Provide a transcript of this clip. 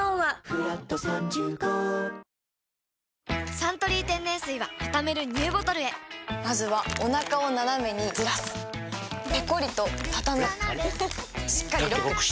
「サントリー天然水」はたためるＮＥＷボトルへまずはおなかをナナメにずらすペコリ！とたたむしっかりロック！